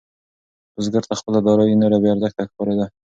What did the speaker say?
بزګر ته خپله دارايي نوره بې ارزښته ښکارېده.